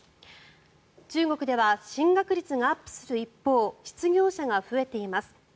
中国では進学率がアップする一方失業者が増えています。